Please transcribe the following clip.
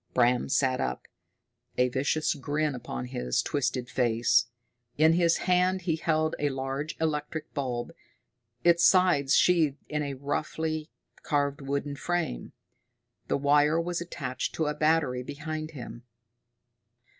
Bram sat up, a vicious grin upon his twisted face. In his hand he held a large electric bulb, its sides sheathed in a roughly carved wooden frame; the wire was attached to a battery behind him.